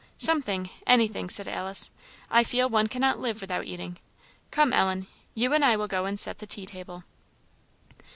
"Something anything," said Alice; "I feel one cannot live without eating. Come, Ellen, you and I will go and set the tea table."